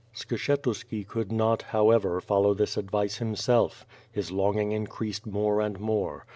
Skshetuski could not, however, follow this advice himself. His longing increased more and more.